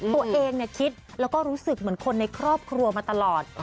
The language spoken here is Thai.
ตัวเองคิดแล้วก็รู้สึกเหมือนคนในครอบครัวมาตลอด